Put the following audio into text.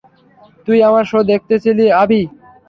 তুই আমার শো দেখেছিলি, আভি!